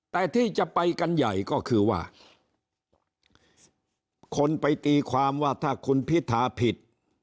แต่ที่จะไปกันใหญ่ก็คือว่าคนไปตีความว่าถ้าคุณพิธาผิด